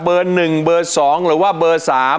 ๑เบอร์๒หรือว่าเบอร์๓